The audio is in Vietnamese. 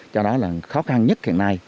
cho đó là khó khăn nhất hiện nay